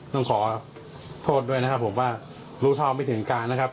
ต้องขอโทษด้วยนะครับผมว่ารู้เท่าไม่ถึงการนะครับ